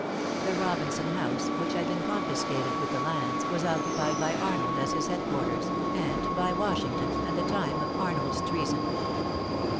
"The Robinson house," which had been confiscated with the lands, was occupied by Arnold as his head quarters, and by Washington at the time of Arnold's treason.